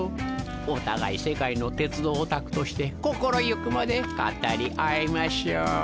お互い世界の鉄道オタクとして心行くまで語り合いましょう。